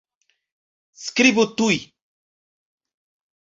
Skribu tuj.